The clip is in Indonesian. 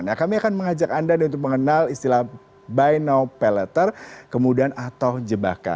nah kami akan mengajak anda untuk mengenal istilah buy now pay later kemudian atau jebakan